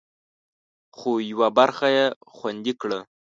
خو، یوه برخه یې خوندي کړه